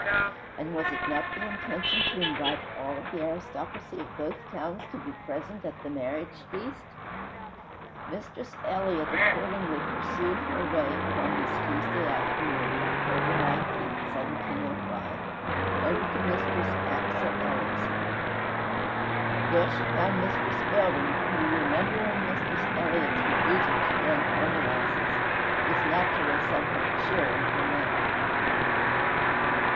And was it not the intention to invite all of the aristocracy of both towns to be present at the marriage feast? Mistress Elliott accordingly pursued her way upon this Tuesday afternoon, October 19, 1705, over to Mistress Achsah Ely's. There she found Mistress Belding, who, remembering Mistress Elliott's refusal to lend her molasses, was naturally somewhat chill in her manner.